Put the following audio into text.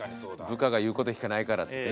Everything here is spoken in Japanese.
部下が言うこと聞かないからってね